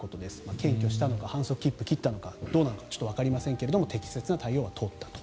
検挙したのか反則切符を切ったのかわかりませんが適切な対応は取ったと。